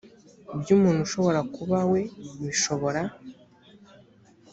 by umuntu ushobora kuba we bishobora